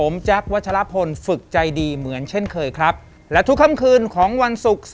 มันขนลุกว่ะ